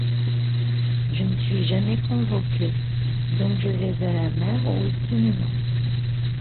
Je ne suis jamais convoqué, donc je vais à la mer ou au cinéma.